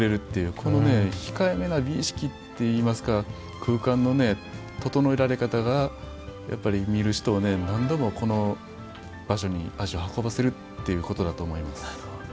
この控えめな美意識といいますか空間の整えられ方がやっぱり見る人を何度もこの場所に足を運ばせるっていうことだと思います。